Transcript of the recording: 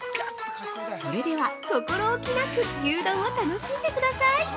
それでは、心置きなく牛丼を楽しんでください！！！